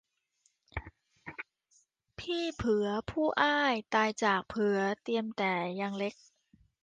พี่เผือผู้อ้ายตายจากเผือเตรียมแต่ยังเล็ก